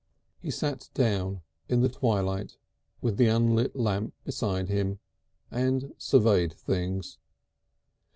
He sat down in the twilight with the unlit lamp beside him and surveyed things.